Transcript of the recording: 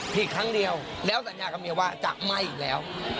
อีกครั้งเดียวแล้วสัญญากับเมียว่าจะไหม้อีกแล้ว